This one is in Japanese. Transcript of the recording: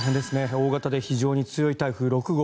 大型で非常に強い台風６号。